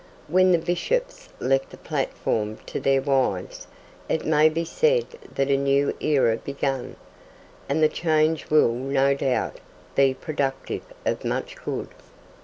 When the Bishops left the platform to their wives, it may be said that a new era began, and the change will, no doubt, be productive of much good.